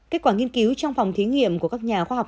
kết quả nghiên cứu trong phòng thí nghiệm của các nhà khoa học